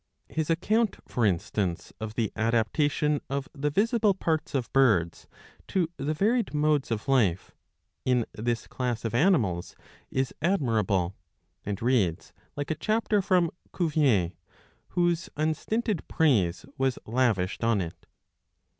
His account, for instance, of the adaptation of the visible parts of birds to the varied modes of life in this class of animals is admirable, and reads like a chapter from Cuvier, whose unstinted praise was lavished on it.